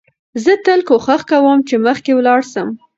زه تل کوښښ کوم، چي مخکي ولاړ سم.